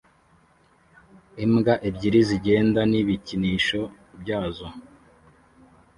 Imbwa ebyiri zigenda n'ibikinisho byazo